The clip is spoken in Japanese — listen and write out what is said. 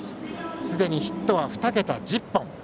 すでにヒットは２桁１０本。